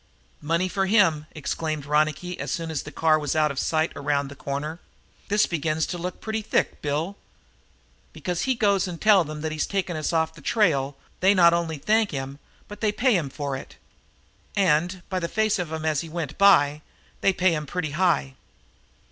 "Money for him!" exclaimed Ronicky, as soon as the car was out of sight around the corner. "This begins to look pretty thick, Bill. Because he goes and tells them that he's taken us off the trail they not only thank him, but they pay him for it. And, by the face of him, as he went by, they pay him pretty high.